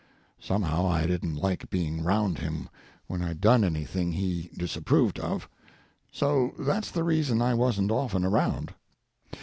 Somehow I didn't like being round him when I'd done anything he disapproved of. So that's the reason I wasn't often around.